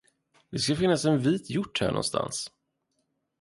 Det ska finnas en vit hjort här någonstans.